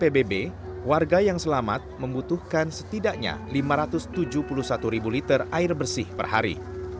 psbb warga yang selamat membutuhkan setidaknya lima ratus tujuh puluh satu ribu liter air bersih per hari